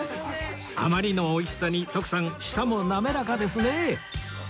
あまりの美味しさに徳さん舌も滑らかですね